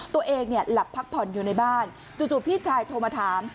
ตัวเองหลับพักผ่อนอยู่ในบ้านจู่พี่ชายโทรมาถาม